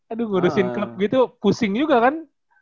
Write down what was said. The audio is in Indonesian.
aduh ngurusin klub gitu pusing juga kan